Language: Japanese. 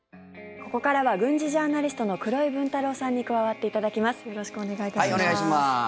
ここからは軍事ジャーナリストの黒井文太郎さんに加わっていただきます。